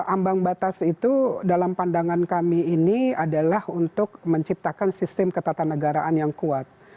ambang batas itu dalam pandangan kami ini adalah untuk menciptakan sistem ketatanegaraan yang kuat